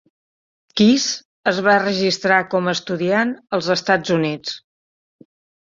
Kiss es va registrar com a estudiant als Estats Units.